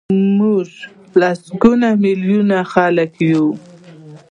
موږ لسګونه میلیونه خلک یو.